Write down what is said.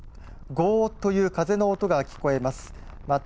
ゴーという風の音が聞こえます。